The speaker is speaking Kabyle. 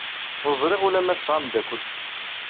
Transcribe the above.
Ur ẓriɣ ula ma tesɛa amdakel.